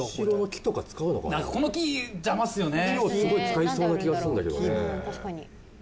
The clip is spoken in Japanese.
木をすごい使いそうな気がするんだけどね。